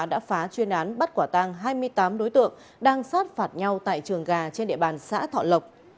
đã phá chuyên án bắt quả tăng hai mươi tám đối tượng đang sát phạt nhau tại trường gà trên địa bàn xã thọ lộc